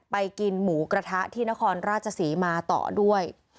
กินหมูกระทะที่นครราชศรีมาต่อด้วย